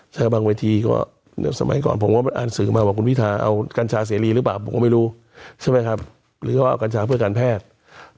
ใช่บางเวทีก็สมัยก่อนผมก็อ่านสื่อมาว่าคุณพิทาเอากัญชาเสรีหรือเปล่าผมก็ไม่รู้ใช่ไหมครับหรือเขาเอากัญชาเพื่อการแพทย์